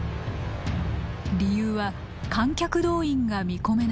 理由は観客動員が見込めないこと。